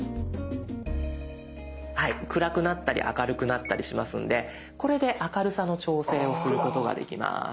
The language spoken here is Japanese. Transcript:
はい暗くなったり明るくなったりしますのでこれで明るさの調整をすることができます。